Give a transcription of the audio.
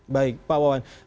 baik pak wawan